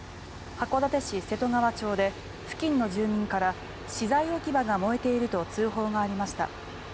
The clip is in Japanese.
函館市瀬戸川町で付近の住民から資材置き場が燃えていると通報がありました。